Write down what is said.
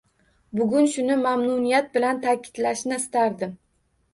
Bugun shuni mamnuniyat bilan taʼkidlashni istardim.